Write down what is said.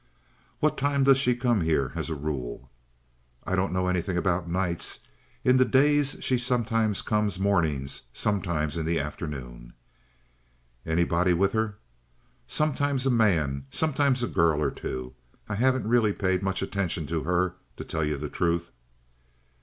"What time does she come here as a rule?" "I don't know anything about nights. In the day she sometimes comes mornings, sometimes in the afternoon." "Anybody with her?" "Sometimes a man, sometimes a girl or two. I haven't really paid much attention to her, to tell you the truth."